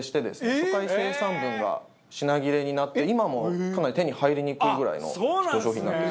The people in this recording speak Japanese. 初回生産分が品切れになって今もかなり手に入りにくいぐらいのヒット商品なんです。